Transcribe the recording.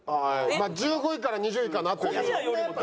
まあ１５位から２０位かなという。